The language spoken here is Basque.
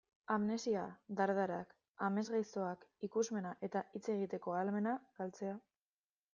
Amnesia, dardarak, amesgaiztoak, ikusmena eta hitz egiteko ahalmena galtzea...